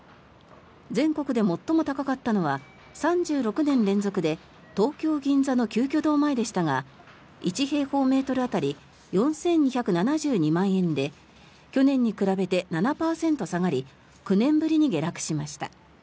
全国で最も高かったのは３６年連続で東京・銀座の鳩居堂前でしたが１平方メートル当たり４２７２万円で去年に比べて７％下がり９年ぶりに下落しました。